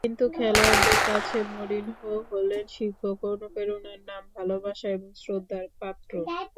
কিন্তু খেলোয়াড়দের কাছে মরিনহো হলেন শিক্ষক, অনুপ্রেরণার নাম, ভালোবাসা এবং শ্রদ্ধার পাত্র।